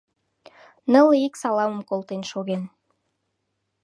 Нылле ик саламым колтен шоген.